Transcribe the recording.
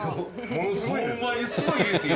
ほんまにすごいですよ。